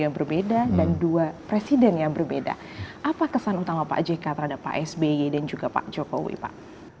yang berbeda dan dua presiden yang berbeda apa kesan utama pak jk terhadap pak sby dan juga pak jokowi pak